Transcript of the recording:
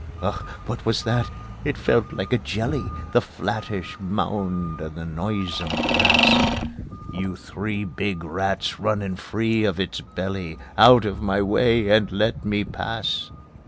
Ugh! What was that? It felt like a jelly, That flattish mound in the noisome grass; You three big rats running free of its belly, Out of my way and let me pass!